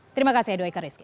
terima kasih edo eka rizk